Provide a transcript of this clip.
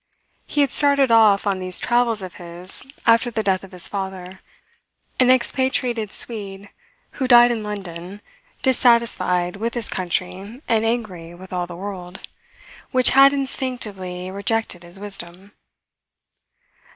He had started off on these travels of his after the death of his father, an expatriated Swede who died in London, dissatisfied with his country and angry with all the world, which had instinctively rejected his wisdom.